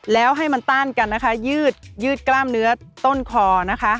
แล้วให้มันต้านกันนะคะยืดยืดกล้ามเนื้อต้นคอนะคะ